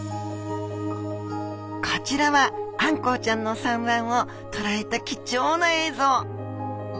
こちらはあんこうちゃんの産卵をとらえた貴重な映像。